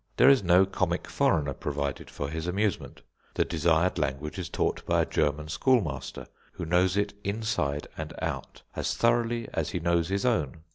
There is no comic foreigner provided for his amusement. The desired language is taught by a German school master who knows it inside and out as thoroughly as he knows his own.